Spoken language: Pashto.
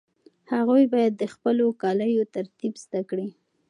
هغوی باید د خپلو کاليو ترتیب زده کړي.